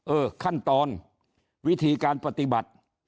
ขั้นตอนวิธีการปฏิบัติ